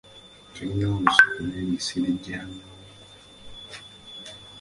Tulina olusuku n'emisiri gya muwogo.